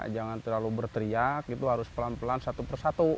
jangan terlalu berteriak gitu harus pelan pelan satu persatu